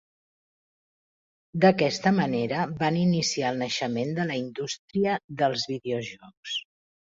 D'aquesta manera van iniciar el naixement de la indústria dels videojocs.